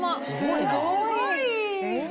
すごいな。